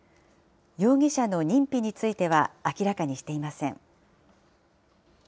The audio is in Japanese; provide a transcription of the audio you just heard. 容疑者の認否については明らかにしていません。